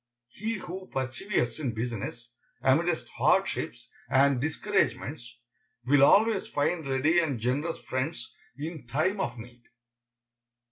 He who perseveres in business, amidst hardships and discouragements, will always find ready and generous friends in time of need.